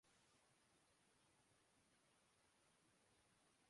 معیشت پر دیے گئے حکومتی اعداد و شمار